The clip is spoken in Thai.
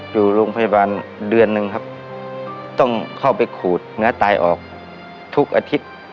อยู่โรงพยาบาลเดือนหนึ่งครับต้องเข้าไปขูดเนื้อตายออกทุกอาทิตย์